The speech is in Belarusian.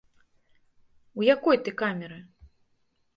У якой ты камеры?